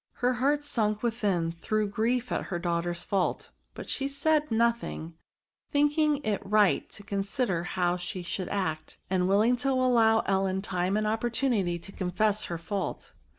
Her heart sunk within through grief at her daughter's fault ; but she said nothing, thinking it right to consider how she should act, and willing to allow Ellen time and opportunity to con fess her fault.